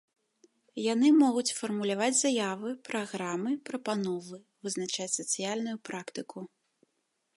Яны могуць фармуляваць заявы, праграмы, прапановы, вызначаць сацыяльную практыку.